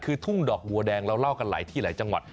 คือทุ่งดอกบัวแดงเราเล่ากันหลายที่หลายจังหวัด